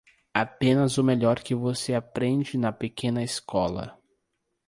Apenas o melhor que você aprende na pequena escola.